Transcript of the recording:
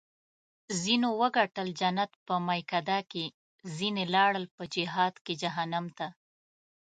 ځینو وګټل جنت په میکده کې ځیني لاړل په جهاد کې جهنم ته